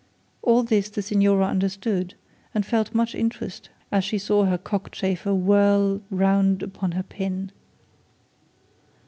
All this the signora understood, and felt much interest as she saw her cockchafer whirl round upon her pin.